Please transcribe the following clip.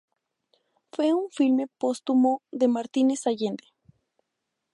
Fue un filme póstumo de Martínez Allende.